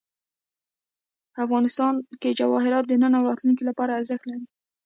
افغانستان کې جواهرات د نن او راتلونکي لپاره ارزښت لري.